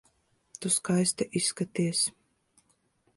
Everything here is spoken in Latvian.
Tu skaisti izskaties.